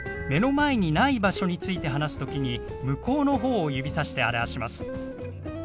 目の前にない場所について話す時に向こうの方を指さして表します。